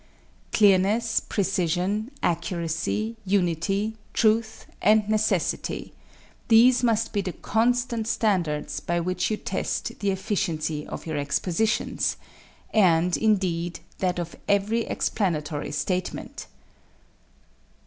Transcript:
Clearness, precision, accuracy, unity, truth, and necessity these must be the constant standards by which you test the efficiency of your expositions, and, indeed, that of every explanatory statement.